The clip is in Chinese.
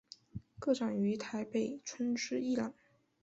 个展于台北春之艺廊。